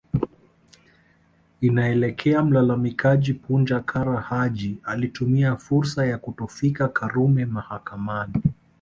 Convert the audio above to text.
Inaelekea mlalamikaji Punja Kara Haji alitumia fursa ya kutofika Karume mahakamani